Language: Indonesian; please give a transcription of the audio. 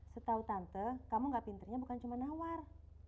setau tante kamu gak pinternya bukan cuma nawar